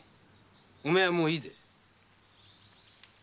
お前はもういいぜ。